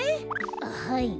あっはい。